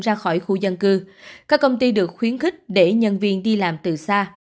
ra khỏi khu dân cư các công ty được khuyến khích để nhân viên đi làm từ xa